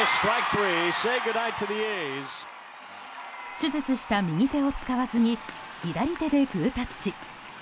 手術した右手を使わずに左手でグータッチ。